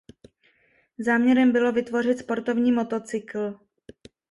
Záměrem bylo vytvořit sportovní motocykl.